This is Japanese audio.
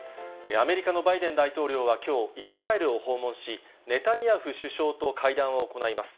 アメリカのバイデン大統領はきょう、イスラエルを訪問し、ネタニヤフ首相と会談を行います。